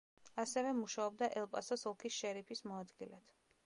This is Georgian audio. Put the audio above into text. ასევე მუშაობდა ელ-პასოს ოლქის შერიფის მოადგილედ.